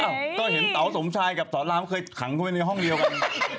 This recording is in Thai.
เจ้าเห็นเต๋าสมชายกับสตล้ามเคยขังไว้ในห้องเดียวกัน